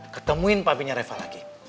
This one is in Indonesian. ketemuin papinya reva lagi